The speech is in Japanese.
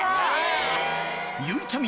ゆいちゃみ